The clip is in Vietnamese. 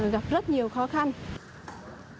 gặp rất nhiều khó khăn